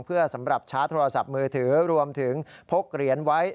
เพื่อสำหรับชาร์จโทรศัพท์มือถือรวมถึงพกเหรียญไว้